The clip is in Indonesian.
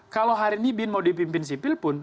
kalau hari ini bin mau dipimpin sipil pun